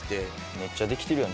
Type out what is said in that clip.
めっちゃできてるやん。